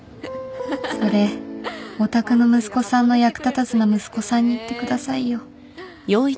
それお宅の息子さんの役立たずなムスコさんに言ってくださいよ